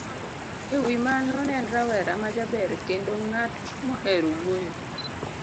E wi mano, ne en rawera ma jaber kendo ng'at mohero wuoyo